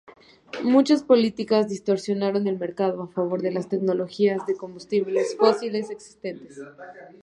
Muchas políticas distorsionan el mercado a favor de las tecnologías de combustibles fósiles existentes.